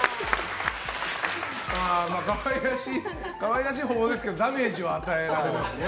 可愛らしい方法ですけどダメージは与えられますね